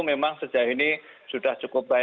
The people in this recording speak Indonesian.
memang sejak ini sudah cukup baik